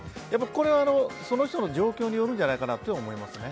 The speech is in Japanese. これは、その人の状況によるんじゃないかと思いますね。